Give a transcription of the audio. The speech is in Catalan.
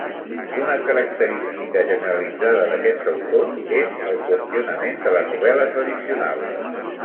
Una característica generalitzada d'aquests autors és el qüestionament de la novel·la tradicional.